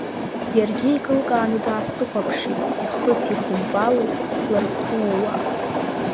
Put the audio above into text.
Иаргьы икылкааны даасыхуаԥшит, ихыци-ихуампали ларҟууа.